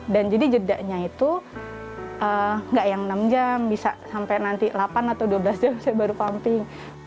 dan jadi jedanya itu nggak yang enam jam bisa sampai nanti delapan atau dua belas jam saya baru pumping